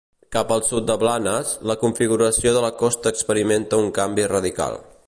Cap al sud de Blanes, la configuració de la costa experimenta un canvi radical.